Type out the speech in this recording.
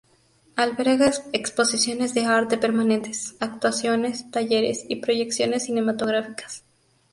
Alberga exposiciones de arte permanentes, actuaciones, talleres y proyecciones cinematográficas.